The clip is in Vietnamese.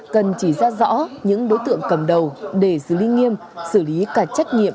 cần chỉ ra rõ những đối tượng cầm đầu để giữ lý nghiêm xử lý cả trách nhiệm